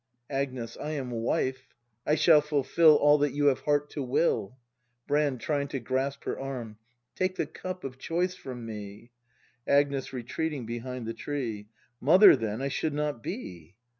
Agnes. I am Wife: I shall fulfil All that you have heart to will. Brand. [Trying to grasp her arm.] Take the Cup of Choice from me! Agnes. [Retreating behind the tree.] Mother then I should not be!